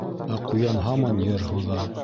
Ә ҡуян һаман йыр һуҙа.